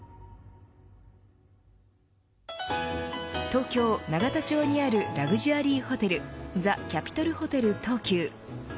東京永田町にあるラグジュアリーホテルザ・キャピトルホテル東急